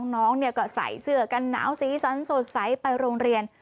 น้องก็ใส่เสื้อกันหนาวสีสันสดใสไปโรงเรียน